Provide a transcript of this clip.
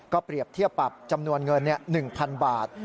เปรียบเทียบปรับจำนวนเงิน๑๐๐๐บาท